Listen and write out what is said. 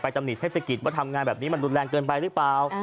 ตำหนิเทศกิจว่าทำงานแบบนี้มันรุนแรงเกินไปหรือเปล่า